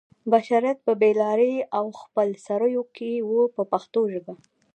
بشریت په بې لارۍ او خپل سرویو کې و په پښتو ژبه.